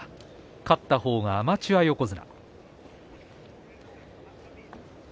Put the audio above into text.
勝った方がアマチュア横綱。